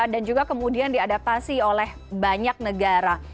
dan juga kemudian di adaptasi oleh banyak negara